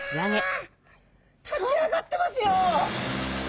立ち上がってますよ。